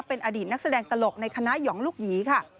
เป็นอดีตนักแสดงตลกในคณะหยองลูกหยีค่ะ